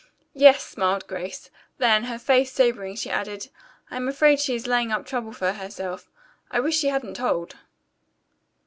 "Yes," smiled Grace. Then, her face sobering, she added, "I am afraid she is laying up trouble for herself. I wish she hadn't told."